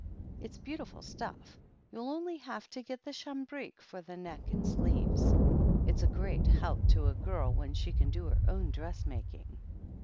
It's beautiful stuff — ^you'll only have to get the cambric for the neck and sleeves. It's a great help to a girl when she can do her own dressmaking."